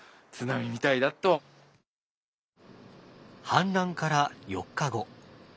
氾濫から４日後。